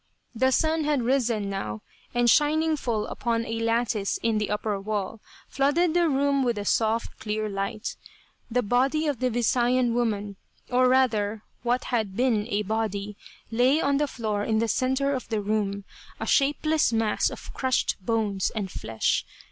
The sun had risen, now, and shining full upon a lattice in the upper wall, flooded the room with a soft clear light. The body of the Visayan woman, or rather what had been a body, lay on the floor in the center of the room, a shapeless mass of crushed bones and flesh.